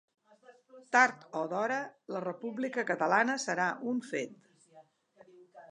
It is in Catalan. Tard o d'hora la República catalana serà un fet.